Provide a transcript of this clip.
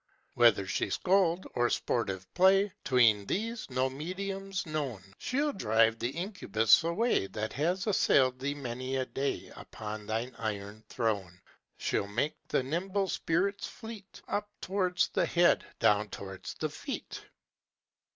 "Whether she scold, or sportive play, ('Tween these, no medium's known), She'll drive the incubus away That has assailed thee many a day Upon thine iron throne. She'll make the nimble spirits fleet Up towards the head, down towards the feet."